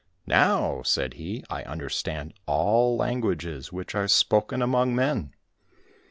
—" Now," said he, "I understand all languages which are spoken among men."